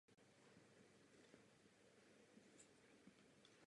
Po konci války se řádně vrátil v létě.